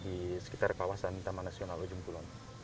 di sekitar kawasan taman nasional ujung kulon